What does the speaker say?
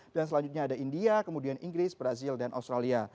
dan selanjutnya ada india kemudian inggris brazil dan australia